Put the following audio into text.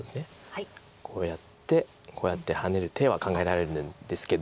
こうやってこうやってハネる手は考えられるんですけど。